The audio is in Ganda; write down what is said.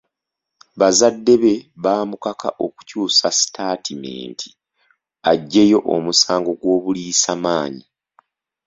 Bazadde be baamukaka okukyusa sitatimenti aggyeyo omusango gw'obuliisamaanyi.